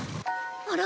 あら？